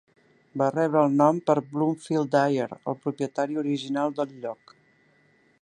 Va rebre el nom per Bloomfield Dyer, el propietari original del lloc.